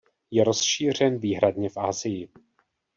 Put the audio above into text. Je rozšířen výhradně v Asii.